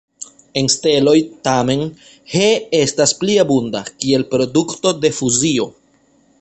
En steloj, tamen, He estas pli abunda, kiel produkto de fuzio.